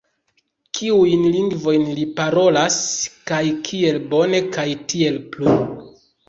Kiujn lingvojn li parolas kaj kiel bone kaj tiel plu